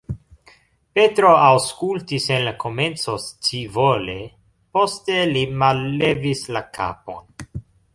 Petro aŭskultis en la komenco scivole, poste li mallevis la kapon.